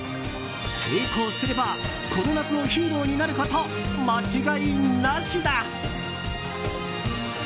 成功すればこの夏のヒーローになること間違いなしだ。